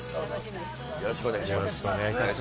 よろしくお願いします。